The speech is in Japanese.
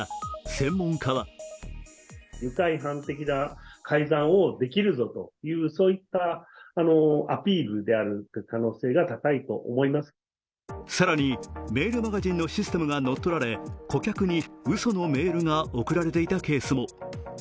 専門家は更に、メールマガジンのシステムが乗っ取られ顧客にうそのメールが送られていたケースも。